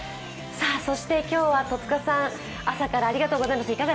今日は戸塚さん、朝からありがとうございます。